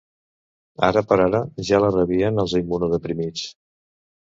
Ara per ara, ja la rebien els immunodeprimits.